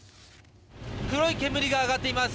黒い煙が上がっています。